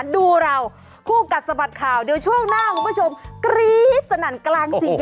กลับมาตามต่อชัดใน